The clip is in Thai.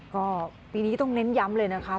ก็ปีนี้ต้องเน้นย้ำเลยนะคะ